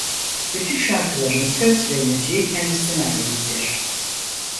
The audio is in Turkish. Bütün şarkıların söz ve müziği kendisine aittir.